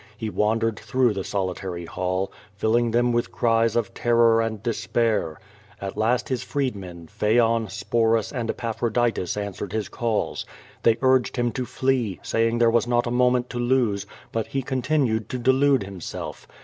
He wandered tlirough the solitary hall, filling them with cries of terror and despair. At last his freedmen, Phaon, Sporus and Epaphroditus answered his calls. They urged him to flee, saying there was not a moment to lose, but he continued to delude himself.